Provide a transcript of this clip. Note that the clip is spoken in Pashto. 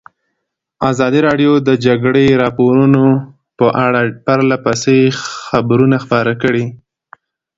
ازادي راډیو د د جګړې راپورونه په اړه پرله پسې خبرونه خپاره کړي.